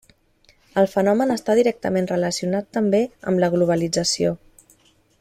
El fenomen està directament relacionat també amb la globalització.